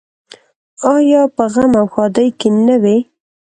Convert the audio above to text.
آیا په غم او ښادۍ کې نه وي؟